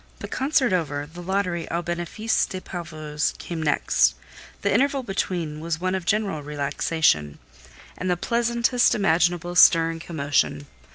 '" The concert over, the Lottery "au bénéfice des pauvres" came next: the interval between was one of general relaxation, and the pleasantest imaginable stir and commotion.